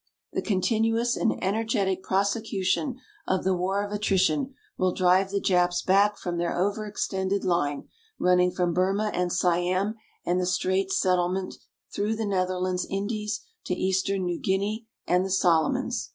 The continuous and energetic prosecution of the war of attrition will drive the Japs back from their over extended line running from Burma and Siam and the Straits Settlement through the Netherlands Indies to eastern New Guinea and the Solomons.